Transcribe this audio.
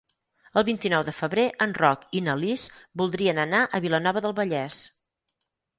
El vint-i-nou de febrer en Roc i na Lis voldrien anar a Vilanova del Vallès.